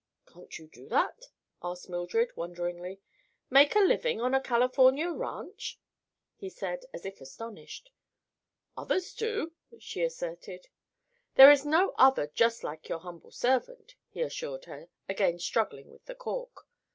"Can't you do that?" asked Mildred wonderingly. "Make a living on a California ranch!" he said, as if astonished. "Others do," she asserted. "There is no other just like your humble servant," he assured her, again struggling with the cork.